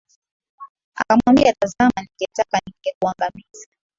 Akamwambia tazama ningetaka ningekuangamiza.